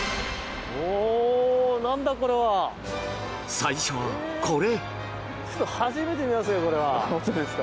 最初は、これ！